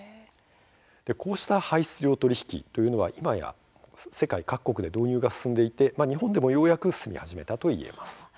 こうした排出量取引は今や世界各国で導入が進んでいて日本でもようやく進み始めたといえます。